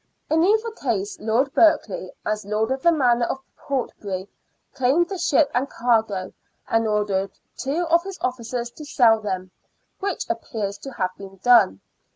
In either case. Lord Berkeley, as lord of the manor of Portbury, claimed the ship and cargo, and ordered two of his officers to sell them, which appears to have been done.